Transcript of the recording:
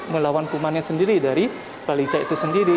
melawan kumannya sendiri dari balita itu sendiri